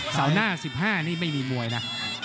เสาร์หน้า๑๕นี่ไม่มีมวยนะ